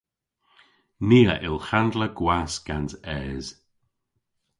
Ni a yll handla gwask gans es.